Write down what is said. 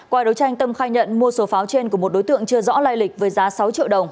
qua đấu tranh tâm khai nhận mua số pháo trên của một đối tượng chưa rõ lai lịch với giá sáu triệu đồng